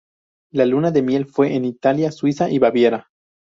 La luna de miel fue en Italia, Suiza y Baviera.